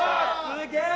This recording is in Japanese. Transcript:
すげえ！